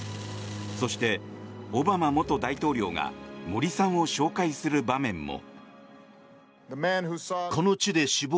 そして、オバマ元大統領が森さんを紹介する場面も。